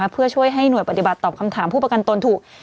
เพื่อช่วยให้หน่วยปฏิบัติตอบคำถามผู้ประกันตนถูก